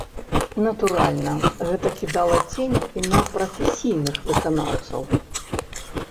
Натуральна, гэта кідала цень і на прафесійных выканаўцаў.